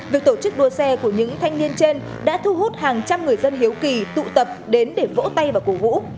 việc tổ chức đua xe của những thanh niên trên đã thu hút hàng trăm người dân hiếu kỳ tụ tập đến để vỗ tay và cổ vũ